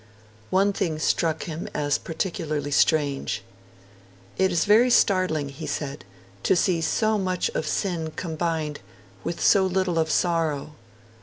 One thing struck him as particularly strange: 'It is very startling,' he said, 'to see so much of sin combined with so little of sorrow.'